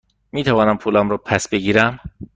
می توانم پولم را پس بگیرم؟